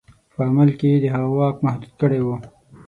په عمل کې یې د هغه واک محدود کړی وو.